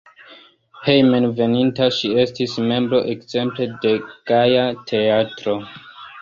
Hejmenveninta ŝi estis membro ekzemple de Gaja Teatro.